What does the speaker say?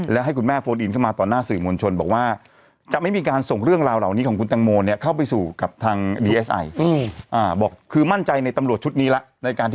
แล้วให้คุณแม่โฟนอีนเข้ามาตอนหน้าสื่อมวลชนบอกว่า